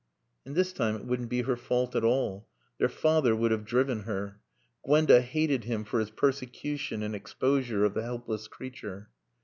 And this time it wouldn't be her fault at all. Their father would have driven her. Gwenda hated him for his persecution and exposure of the helpless creature.